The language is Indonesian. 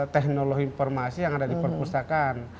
teknologi informasi yang ada di perpustakaan